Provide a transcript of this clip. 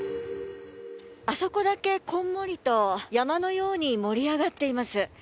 あそこだけ、こんもりと山のように盛り上がっています。